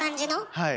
はい。